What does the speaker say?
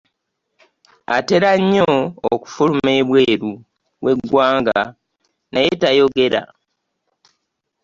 Atera nnyo okufuluma ebweru w'eggwanga naye tayogera.